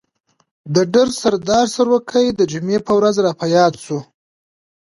د ډر سردار سروکی د جمعې په ورځ را په ياد شو.